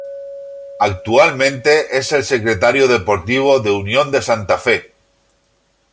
Actualmente es el secretario deportivo de Unión de Santa Fe.